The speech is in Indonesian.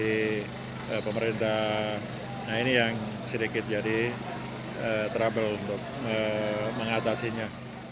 jadi pemerintah nah ini yang sedikit jadi trouble untuk mengatasinya